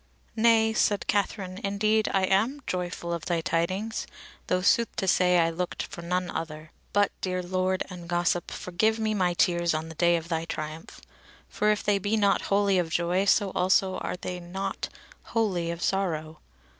"Nay," said Katherine, "indeed I am joyful of thy tidings, though sooth to say I looked for none other. But, dear lord and gossip, forgive me my tears on the day of thy triumph; for if they be not wholly of joy, so also are they not wholly of sorrow.